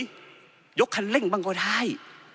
นี่มีโรคคันเล่งบ้างก็ได้